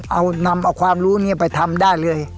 เอานำเอาความรู้นี้ไปทำได้เลย